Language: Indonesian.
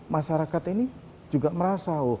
masyarakat ini juga merasa